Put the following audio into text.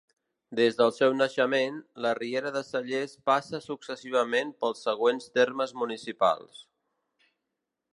Des del seu naixement, la Riera de Cellers passa successivament pels següents termes municipals.